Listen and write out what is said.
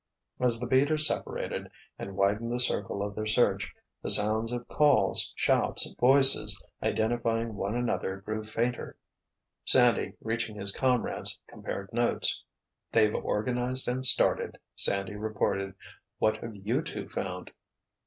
As the beaters separated, and widened the circle of their search, the sounds of calls, shouts, voices identifying one another grew fainter. Sandy, reaching his comrades, compared notes. "They've organized and started," Sandy reported. "What have you two found?"